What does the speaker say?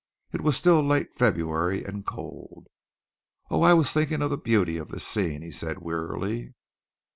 It was still late February and cold. "Oh, I was thinking of the beauty of this scene," he said wearily.